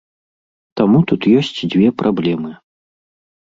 Таму тут ёсць дзве праблемы.